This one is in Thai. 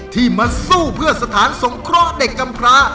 ที่มาสู้เพื่อสถานสงครอเด็กกำพลา